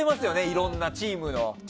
いろんなチームの。